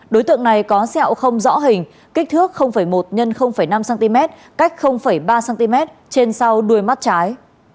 đối tượng này có sẹo không rõ hình kích thước một x năm cm cách ba cm trên sau đuôi mắt trái